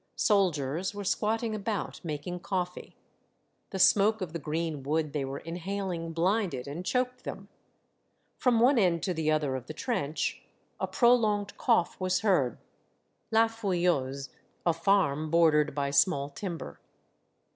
Soldiers were squatting about, making coffee. The smoke of the green wood they were inhaling blinded and choked them. From one end to the other of the trench, a prolonged cough was heard. La Fouilleuse, — a farm, bordered by small timber.